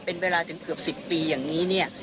เป็นเวลาถึงเกือบสิบปีอย่างนี้